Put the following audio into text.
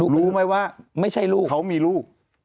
รู้ไหมว่าเขามีลูก